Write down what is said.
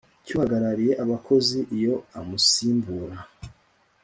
cy uhagarariye abakozi Iyo amusimbura